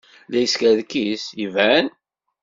La yeskerkis? Iban.